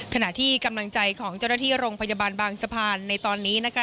ขณะที่กำลังใจของเจ้าหน้าที่โรงพยาบาลบางสะพานในตอนนี้นะคะ